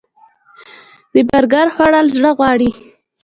د برګر خوړل زړه غواړي